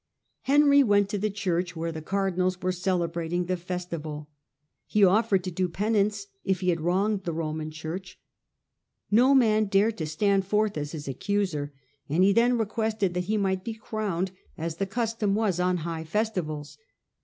Henry went to the church, where the cardinals were celebrating the festival. He offered to do penance, if he had wronged the Roman Church. No man dared to stand forth as his accuser, and he then requested that he might be crowned, as the custom His corona ^^^^ ^^S^ festivals.